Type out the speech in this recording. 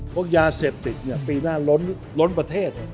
พวกยาเสพติดปีหน้าล้นประเทศ